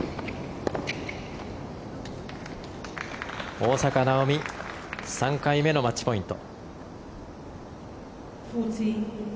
大坂なおみ３回目のマッチポイント。